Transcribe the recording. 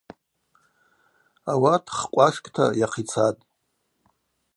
Ауат хкъвашкӏта йахъицатӏ.